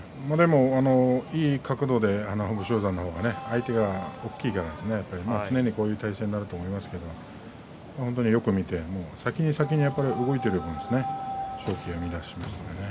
いい角度で武将山の方が相手が大きいから常にこういう体勢になると思いますけれども本当によく見て先に先に動いている分勝機を見いだしましたね。